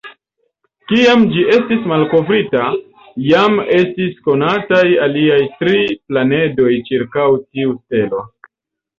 Kiam ĝi estis malkovrita, jam estis konataj aliaj tri planedoj ĉirkaŭ tiu stelo.